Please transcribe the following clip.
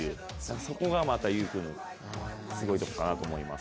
そこがまた有君のすごいところかなと思います。